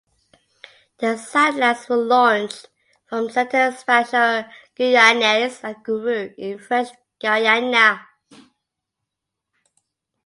The satellites were launched from Centre Spatial Guyanais at Kourou in French Guiana.